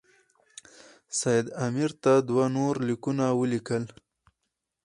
سید امیر ته دوه نور لیکونه ولیکل.